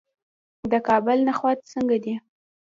د کابل نخود څنګه دي؟